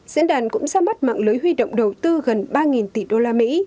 diễn đàn cũng ra mắt mạng lưới huy động đầu tư gần ba tỷ đô la mỹ